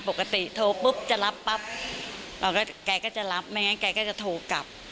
ปกติโทรปุ๊บจะรับปั๊บแกก็จะรับไม่งั้นแกก็จะโทรกลับ